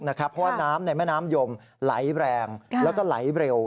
เพราะว่าน้ำในแม่น้ำยมไหลแรงแล้วก็ไหลเร็ว